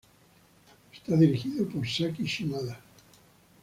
Está dirigido por Saki Shimada.